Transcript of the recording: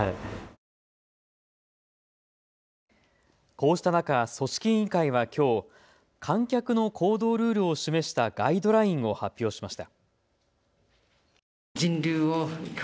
こうした中、組織委員会はきょう観客の行動ルールを示したガイドラインを発表しました。